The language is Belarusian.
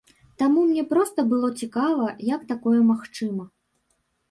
Таму мне проста было цікава, як такое магчыма.